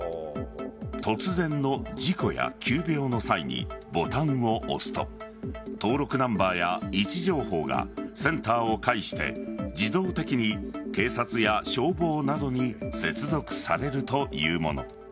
突然の事故や急病の際にボタンを押すと登録ナンバーや位置情報がセンターを介して自動的に警察や消防などに接続されるというもの。